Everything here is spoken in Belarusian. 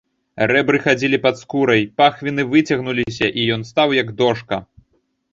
Рэбры хадзілі пад скурай, пахвіны выцягнуліся, і ён стаў, як дошка.